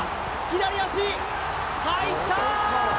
左足入った―！